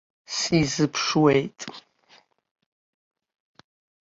Сизыԥшуеит.